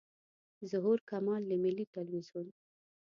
ظهور کمال له ملي تلویزیون.